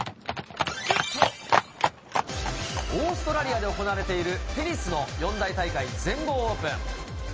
オーストラリアで行われているテニスの四大大会、全豪オープン。